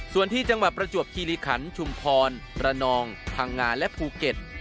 ส่วนที่จังหวัดประจวบคิริขันชุมพรระนองพังงาและภูเก็ต